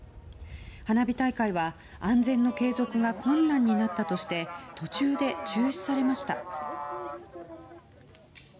花火大会は、安全の継続が困難になったとして途中で中止されました。